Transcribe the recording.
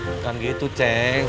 bukan gitu ceng